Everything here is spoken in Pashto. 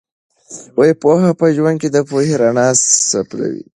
پوهه په ژوند کې د پوهې رڼا خپروي.